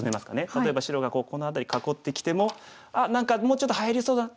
例えば白がこの辺り囲ってきても「あっ何かもうちょっと入れそうだな」。